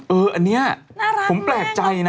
เอออันนี้ผมแปลกใจนะ